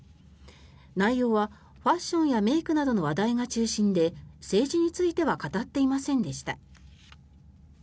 内容はファッションやメイクなどの話題が中心で政治については語っていませんでした。